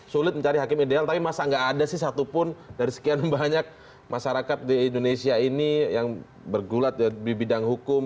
sulit mencari hakim ideal tapi masa gak ada sih satupun dari sekian banyak masyarakat di indonesia ini yang bergulat di bidang hukum